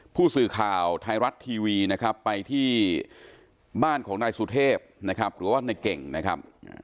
ผู้สื่อข่าวไทยรัฐทีวีนะครับไปที่บ้านของนายสุเทพนะครับหรือว่าในเก่งนะครับ